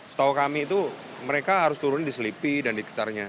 setahu kami itu mereka harus turun di selipi dan di sekitarnya